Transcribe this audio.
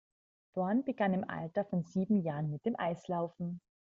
Bourne begann im Alter von sieben Jahren mit dem Eislaufen.